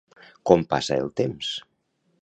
Com passa el temps?